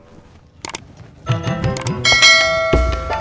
orangnya udah ada lagi